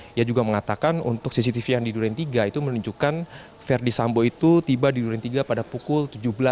dia juga mengatakan untuk cctv yang di durintiga itu menunjukkan ferdis sambo itu tiba di durintiga pada pukul tujuh belas sembilan